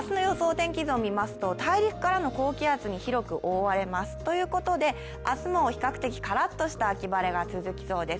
天気図を見ますと、大陸からの高気圧に広く覆われます。ということで明日も比較的カラッとした秋晴れが続きそうです。